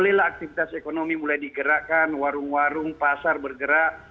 mulailah aktivitas ekonomi mulai digerakkan warung warung pasar bergerak